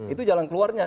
itu jalan keluarnya